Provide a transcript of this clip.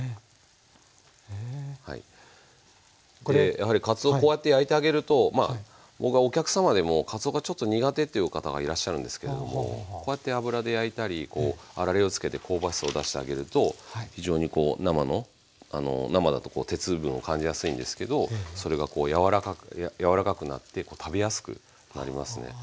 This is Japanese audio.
やはりかつおこうやって焼いてあげるとお客様でも「かつおがちょっと苦手」っていう方がいらっしゃるんですけどもこうやって油で焼いたりあられをつけて香ばしさを出してあげると非常にこう生の生だとこう鉄分を感じやすいんですけどそれがこうやわらかくなって食べやすくなりますね。